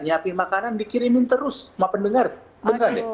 nyiapin makanan dikirimin terus sama pendengar beneran ya